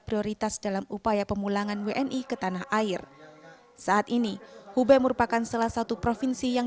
prioritas dalam upaya pemulangan wni ke tanah air saat ini hubei merupakan salah satu provinsi yang